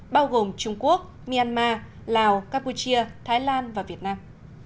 bao gồm trung quốc myanmar lào campuchia thái lan và việt nam